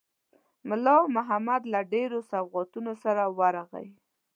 مُلا محمد له ډېرو سوغاتونو سره ورغی.